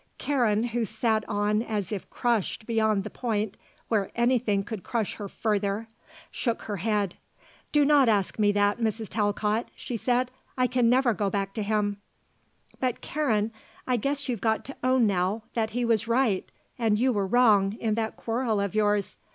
Karen, who sat on as if crushed beyond the point where anything could crush her further, shook her head. "Do not ask me that, Mrs. Talcott," she said. "I can never go back to him." "But, Karen, I guess you've got to own now that he was right and you were wrong in that quarrel of yours.